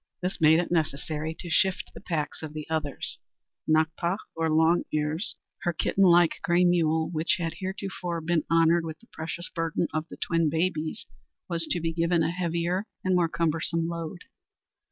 This made it necessary to shift the packs of the others. Nakpa, or Long Ears, her kitten like gray mule, which had heretofore been honored with the precious burden of the twin babies, was to be given a heavier and more cumbersome load.